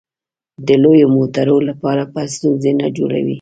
د لویو موټرو لپاره به ستونزې نه جوړوې.